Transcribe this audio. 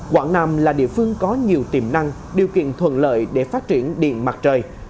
quảng nam là địa phương có nhiều tiềm năng điều kiện thuận lợi để phát triển điện mặt trời